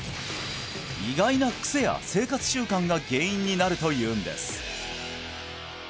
意外なクセや生活習慣が原因になるというんです